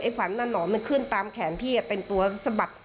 อาจจะเป็นแบบ